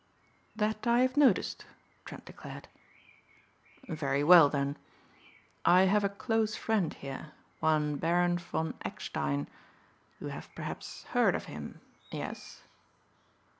"That I have noticed," Trent declared. "Very well then. I have a close friend here, one Baron von Eckstein. You have perhaps heard of him yes?"